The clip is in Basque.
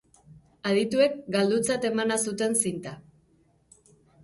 Adituek galdutzat emana zuten zinta.